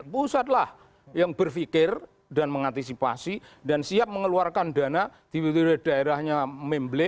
pusatlah yang berpikir dan mengantisipasi dan siap mengeluarkan dana di daerahnya memble